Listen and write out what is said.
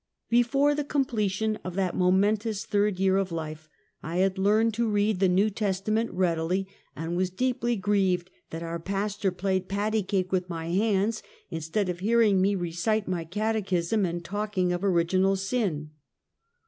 Before the completion of that momentous third year of life, I had learned to read the 'New Testament readily, and was deeply grieved that our pastor played "patty cake" with my hands, instead of hearing me recite my catechism, and talking of original sin.